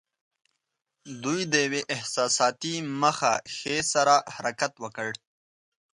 دوی د یوې احساساتي مخه ښې سره حرکت وکړ.